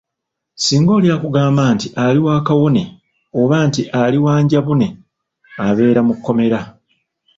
Singa oli akugamba nti ali kawone oba nti ali wanjabule abeera mu kkomera.